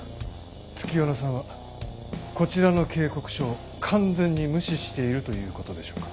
月夜野さんはこちらの警告書を完全に無視しているということでしょうか？